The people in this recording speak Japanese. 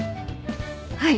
はい。